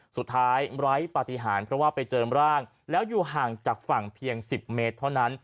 ไร้ปฏิหารเพราะว่าไปเจอร่างแล้วอยู่ห่างจากฝั่งเพียง๑๐เมตรเท่านั้น